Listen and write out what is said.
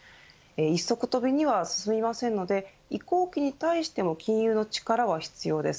一足飛びには進みませんので移行期に対しても金融の力は必要です。